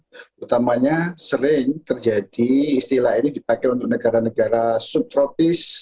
terutamanya sering terjadi istilah ini dipakai untuk negara negara subtropis